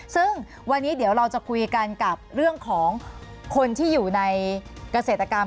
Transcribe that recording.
ซึ่งวันนี้เดี๋ยวเราจะคุยกันกับเรื่องของคนที่อยู่ในเกษตรกรรม